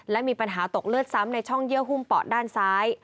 และมีปัญหาตกเลือดซ้ำในช่องเยื่อหุ้มปอดด้านซ้าย